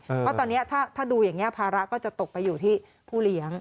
เพราะตอนนี้ถ้าดูอย่างนี้ภาระก็จะตกไปอยู่ที่ผู้เลี้ยง